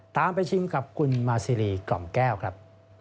ตามไปชิมกับคุณมาซีรีกล่อมแก้วครับ